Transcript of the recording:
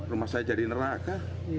rumah saya jadi neraka